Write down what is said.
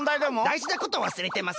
だいじなことわすれてません？